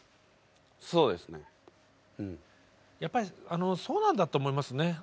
やっぱりあのそうなんだと思いますね。